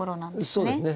そうですね。